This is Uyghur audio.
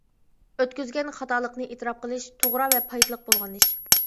ئۆتكۈزگەن خاتالىقنى ئېتىراپ قىلىش توغرا ۋە پايدىلىق بولغان ئىش.